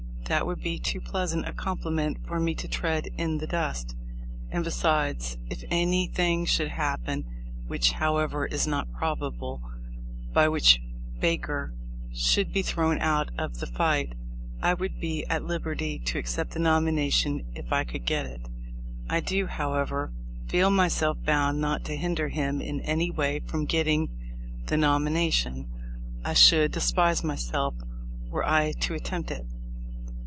That would be too pleasant a compliment for me to tread in the dust. And besides, if anything should happen (which, however, is not probable) by which Baker should be thrown out of the fight, I would be at liberty to accept the nomination if I could get it. I do, however, feel myself bound not to hinder him in any way from getting the nomination. I should despise myself were I to attempt it."